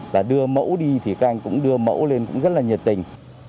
là đưa mẫu đi thì các anh cũng đưa mẫu lên cũng rất là nhiệt tình